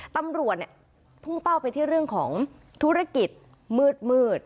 ตำรวจพุ่งเป้าไปที่เรื่องของธุรกิจมืด